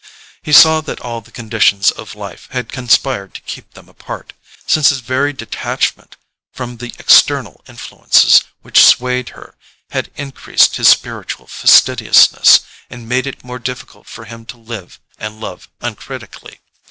He saw that all the conditions of life had conspired to keep them apart; since his very detachment from the external influences which swayed her had increased his spiritual fastidiousness, and made it more difficult for him to live and love uncritically.